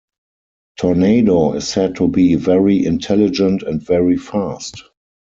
Tornado is said to be very intelligent and very fast.